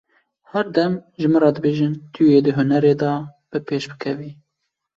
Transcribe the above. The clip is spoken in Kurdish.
Her dem ji min re dibêjin tu yê di hunerê de, bi pêş bikevî.